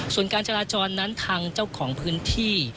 ส่วนการจราจรนั้นทางเจ้าของพื้นที่